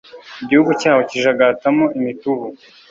Igihugu cyabo kijagatamo imitubu